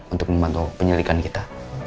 untuk membantu penyelidikan kita